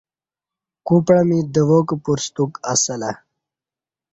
کوپعمی دواک پرستوک اسہ لہ